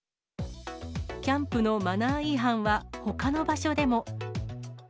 キャンプのマナー違反はほかの場所でも。